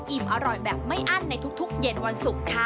อิ่มอร่อยแบบไม่อั้นในทุกเย็นวันศุกร์ค่ะ